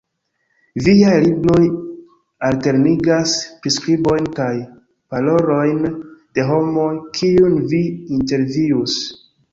Viaj libroj alternigas priskribojn kaj parolojn de homoj kiujn vi intervjuis.